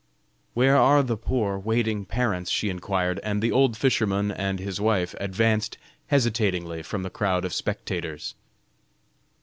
"Where are the poor waiting parents?" she inquired, and, the old fisherman and his wife advanced hesitatingly from the crowd of spectators.